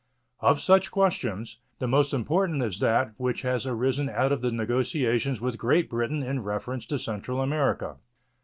Of such questions, the most important is that which has arisen out of the negotiations with Great Britain in reference to Central America.